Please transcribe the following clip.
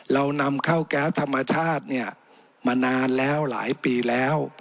เรานำเข้าแก๊สธรรมชาติเนี่ยมานานแล้วหลายปีแล้ว